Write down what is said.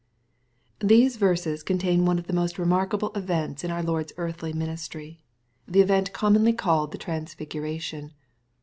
These verses contain one of the most remarkahle events in our Lord's earthly ministry, — the event commonly MATTHEW^ CHAP. XVn. 205 called the transfiguration.